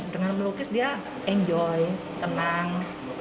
dengan melukis dia enjoy tenang